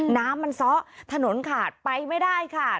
น้ำมันซ้อถนนขาดไปไม่ได้ค่ะ